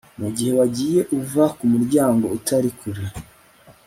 Mugihe wagiye uva kumuryango utari kure